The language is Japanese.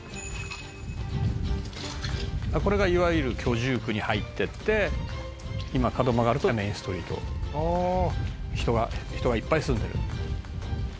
「これがいわゆる居住区に入っていって今角を曲がるとメインストリート」「人がいっぱい住んでる」